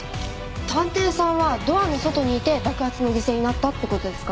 探偵さんはドアの外にいて爆発の犠牲になったって事ですか？